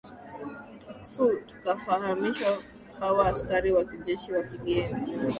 fu tukafahamisha hawa askari wa kijeshi wa kigeni